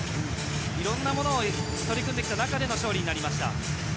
いろんなものに取り組んできた中での勝利になりました。